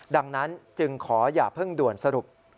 ดังนั้นจึงขออย่าเพิ่งด่วนสรุป